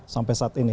sampai saat ini